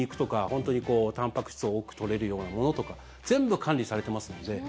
本当に、たんぱく質を多く取れるようなものとか全部管理されてますので。